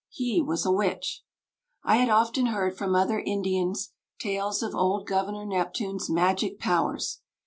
He was a witch." I had often heard from other Indians tales of old Governor Neptune's magic powers.